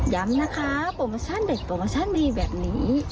ย้ำนะคะโปรโมชั่นเด็ดโปรโมชั่นดีแบบนี้